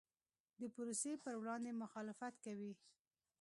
د پروسې پر وړاندې مخالفت کوي.